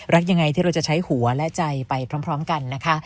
รักยังไงที่เราจะใช้หัวและใจไปพร้อมกันนะคะ